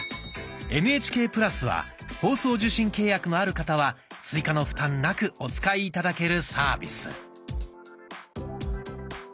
「ＮＨＫプラス」は放送受信契約のある方は追加の負担なくお使い頂けるサービス。